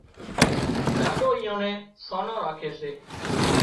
ڏاڏو ايئان نين سانان راکي سي